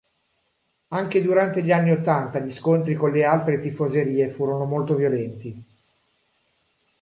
Anche durante gli anni ottanta gli scontri con le altre tifoserie furono molto violenti.